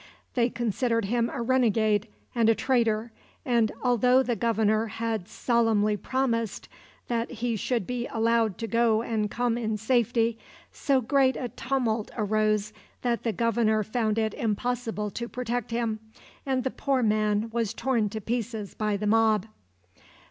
They considered him a renegade and a traitor; and, although the governor had solemnly promised that he should be allowed to go and come in safety, so great a tumult arose that the governor found it impossible to protect him, and the poor man was torn to pieces by the mob.